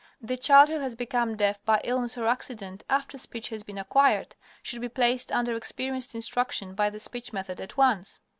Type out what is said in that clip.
The child who has become deaf by illness or accident after speech has been acquired, should be placed under experienced instruction by the speech method at once.